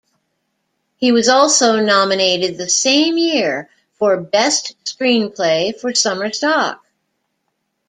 He was also nominated the same year for Best Screenplay for Summer Stock.